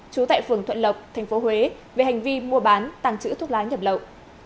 trú tại phường thuận lộc tp huế về hành vi mua bán tàng trữ thuốc lá nhập lậu